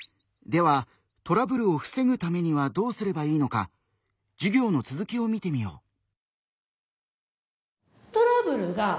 ではトラブルをふせぐためにはどうすればいいのか授業の続きを見てみよう。